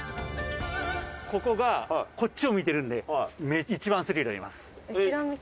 ここがこっちを向いてるので一番スリルがあります。